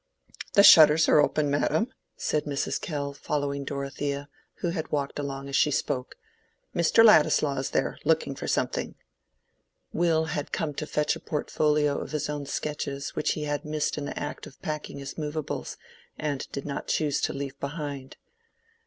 "The shutters are open, madam," said Mrs. Kell, following Dorothea, who had walked along as she spoke. "Mr. Ladislaw is there, looking for something." (Will had come to fetch a portfolio of his own sketches which he had missed in the act of packing his movables, and did not choose to leave behind.)